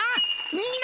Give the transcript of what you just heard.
みんな！